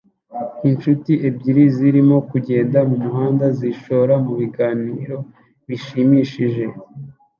Inshuti ebyiri zirimo kugenda mumuhanda zishora mubiganiro bishimishije